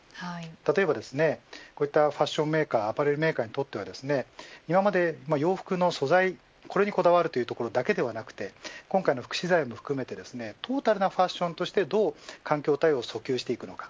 例えばこうしたファッションメーカーアパレルメーカーにとって今まで洋服の素材にこだわるところだけではなく今回の副資材を含めトータルなファッションとしてどう環境対応を訴求をするのか